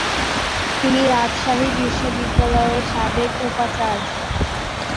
তিনি রাজশাহী বিশ্ববিদ্যালয়ের সাবেক উপাচার্য।